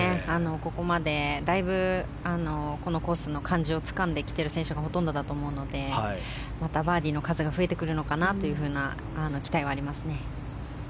ここまでだいぶコースの感じをつかんできている選手がほとんどだと思うのでまたバーディーの数が増えてくるのかなという期待はありますね。